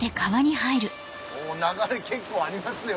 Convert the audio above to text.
流れ結構ありますよ